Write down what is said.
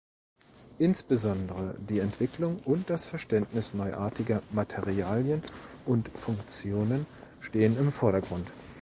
Insbesondere die Entwicklung und das Verständnis neuartiger Materialien und Funktionen stehen im Vordergrund.